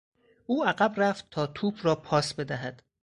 او عقب رفت تا توپ را پاس بدهد.